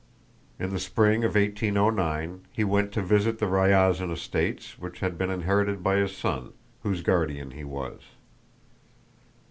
In the spring of 1809 he went to visit the Ryazán estates which had been inherited by his son, whose guardian he was.